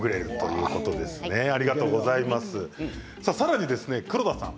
さらに黒田さん